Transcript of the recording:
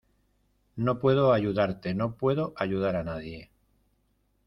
No puedo ayudarte. No puedo ayudar a nadie .